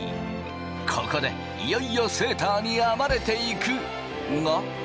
ここでいよいよセーターに編まれていくが。